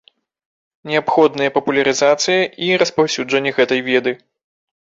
Неабходныя папулярызацыя і распаўсюджанне гэтай веды.